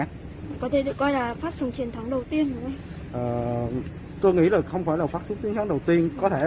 cùng với tôi được về với gia đình